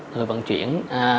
người vận chuyển